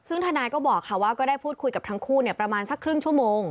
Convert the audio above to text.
ซึ่งทนายก็บอกค่ะว่าก็ได้พูดคุยกับทั้งคู่ประมาณสักครึ่งชั่วโมง